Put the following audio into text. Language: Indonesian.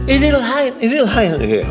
ini lain ini lain